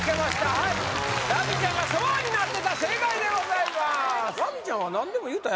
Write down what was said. はいラミちゃんがソファーになってた正解でございます